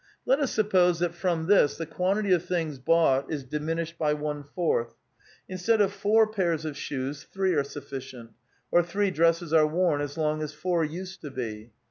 Let us suppose that from this the quantity of things bought is diminished by one fourth ; instead of four pairs of shoes, three are suflScient, or three drosses are worn as long as four used to be.